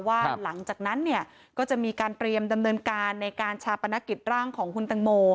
ว่าหลังจากนั้นเนี่ยก็จะมีการเตรียมดำเนินการในการชาปนกิจร่างของคุณตังโม